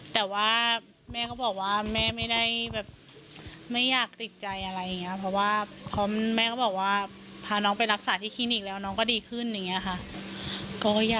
แต่ว่าแม่ก็บอกว่าแม่ไม่ได้แบบไม่อยากติดใจอะไรอย่างนี้เพราะว่าแม่ก็บอกว่าพาน้องไปรักษาที่คลินิกแล้วน้องก็ดีขึ้นอย่างนี้ค่ะ